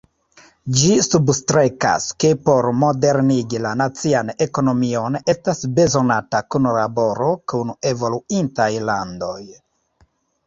Ĝi substrekas, ke por modernigi la nacian ekonomion estas bezonata kunlaboro kun evoluintaj landoj.